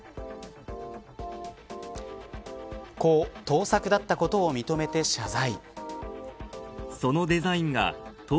盗作だったことを認めて謝罪。